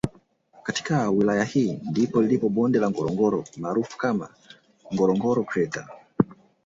Katika wilaya hii ndipo lilipo bonde la Ngorongoro maarufu kama Ngorongoro kreta